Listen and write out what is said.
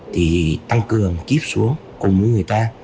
thì tăng cường kiếp xuống cùng với người ta